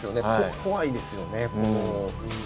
怖いですよね。